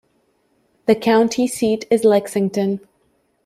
The county seat is Lexington.